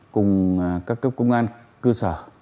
cùng các cấp công an cư sở